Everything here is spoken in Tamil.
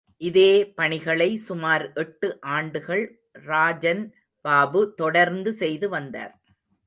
இதே பணிகளை சுமார் எட்டு ஆண்டுகள் ராஜன் பாபு தொடர்ந்து செய்து வந்தார்.